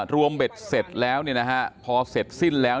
รวมเบ็ดเสร็จแล้วนี้นะครับพอเสร็จสิ้นแล้ว